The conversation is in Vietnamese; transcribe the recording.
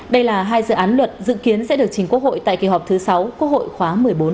đây là hai dự án luật dự kiến sẽ được chính quốc hội tại kỳ họp thứ sáu quốc hội khóa một mươi bốn